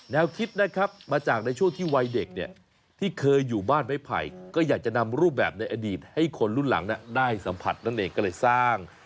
คิดนะครับมาจากในช่วงที่วัยเด็กเนี่ยที่เคยอยู่บ้านไม้ไผ่ก็อยากจะนำรูปแบบในอดีตให้คนรุ่นหลังได้สัมผัสนั่นเองก็เลยสร้าง